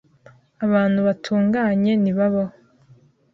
Abantu batunganye ntibabaho.